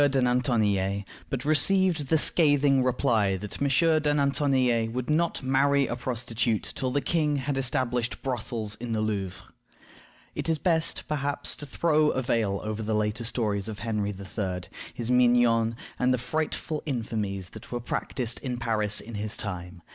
de Nantonillet, but received the scathing reply that "M. de Nantonillet would not marry a prostitute till the king had established brothels in the Louvre." It is best, perhaps, to throw a veil over the later stories of Henry III., his mignons, and the frightful infamies that were practiced in Paris in his time.